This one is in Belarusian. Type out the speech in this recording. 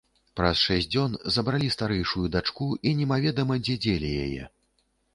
Праз шэсць дзён забралі старэйшую дачку і немаведама дзе дзелі яе.